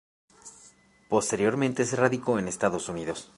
Posteriormente se radicó en Estados Unidos.